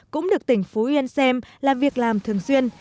cũng được tỉnh phú yên xem là việc làm thường xuyên